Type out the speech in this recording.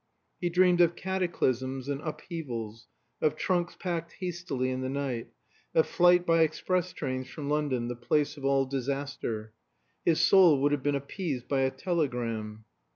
He dreamed of cataclysms and upheavals, of trunks packed hastily in the night, of flight by express trains from London, the place of all disaster. His soul would have been appeased by a telegram.